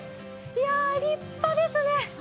いや、立派ですね。